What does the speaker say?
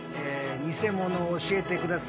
偽物を教えてください。